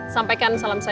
sampaikan salam saya